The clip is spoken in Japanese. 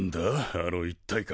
あの一体感。